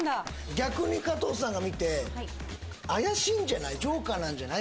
逆に加藤さんが見て怪しいんじゃない？